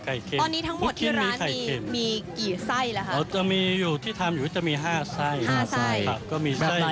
อันนี้จะเป็นถั่วไข่เค็ม